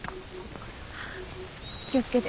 気を付けて。